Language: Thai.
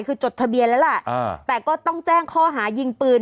คือจดทะเบียนแล้วล่ะแต่ก็ต้องแจ้งข้อหายิงปืน